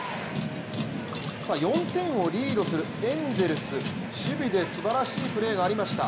４点をリードするエンゼルス守備ですばらしいプレーがありました。